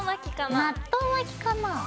納豆巻きかな。